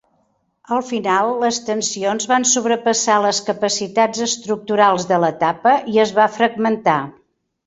Al final les tensions van sobrepassar les capacitats estructurals de l'etapa i es va fragmentar.